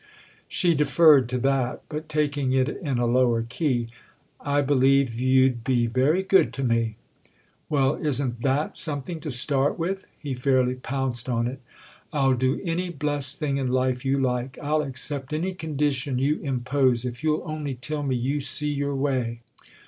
She deferred to that, but taking it in a lower key. "I believe you'd be very good to me." "Well, isn't that something to start with?"—he fairly pounced on it. "I'll do any blest thing in life you like, I'll accept any condition you impose, if you'll only tell me you see your way."